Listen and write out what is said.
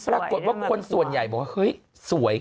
รายกรลวงส่วนใหญ่เบาเข้ะให้สวย